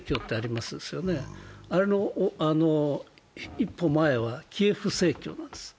一歩前はキエフ正教なんです。